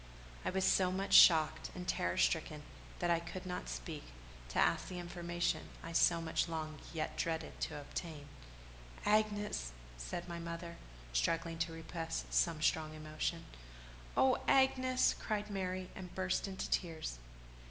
I was so much shocked and terror stricken that I could not speak, to ask the information I so much longed yet dreaded to obtain. "Agnes!" said my mother, struggling to repress some strong emotion. "Oh, Agnes!" cried Mary, and burst into tears.